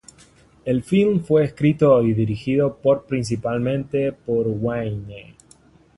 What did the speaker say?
El film fue escrito y dirigido por principalmente por Wayne.